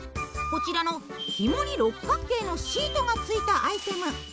こちらのひもに六角形のシートがついたアイテム。